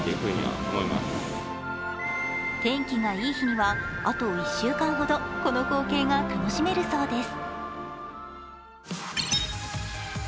天気がいい日には、あと１週間ほど、この光景が楽しめるそうです。